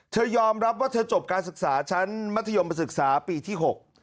ยอมรับว่าเธอจบการศึกษาชั้นมัธยมศึกษาปีที่๖